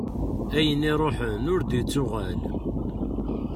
Ayen i iruḥen ur d-yettuɣal.